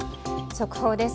速報です。